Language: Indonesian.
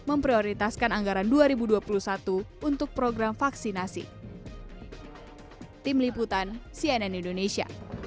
memprioritaskan anggaran dua ribu dua puluh satu untuk program vaksinasi